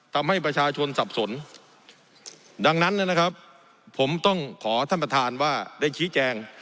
ทำให้ประชาชนสับสนดังนั้นนะครับผมต้องขอท่านประธานว่าได้ชี้แจง